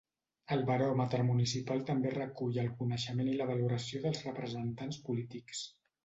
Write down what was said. El baròmetre municipal també recull el coneixement i la valoració dels representants polítics.